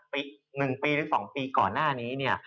๑ปีหรือ๒ปีก่อนหน้านี้นี่